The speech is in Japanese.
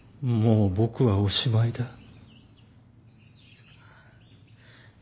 もう僕はおしまいだ